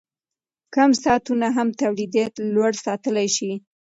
کم ساعتونه هم تولیدیت لوړ ساتلی شي.